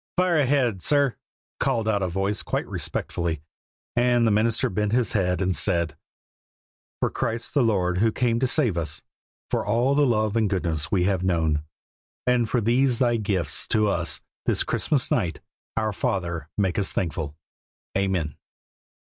"Fire ahead, sir," called out a voice quite respectfully, and the minister bent his head and said: "For Christ the Lord who came to save us, for all the love and goodness we have known, and for these Thy gifts to us this Christmas night, our Father, make us thankful. Amen."